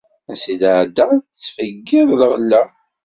Ansi i tɛeddaḍ, tettfeggiḍ lɣella.